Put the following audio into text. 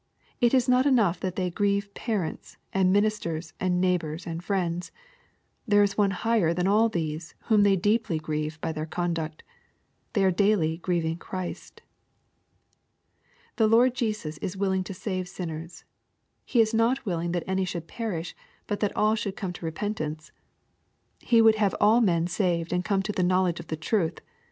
It is not enough that they grieve parents, and ministers, and neighbors, and friends. There is one higher than all these, whom they deeply grieve by their conduct. Thej^ are daily grieving Christ. The Lord Jesus is willing to save sinners. " He is not willing that any should perish, but that all should jome to repentance." He would have all men saved and come to the knowledge of the truth."